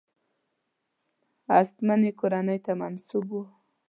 هستمنې کورنۍ ته منسوب وو.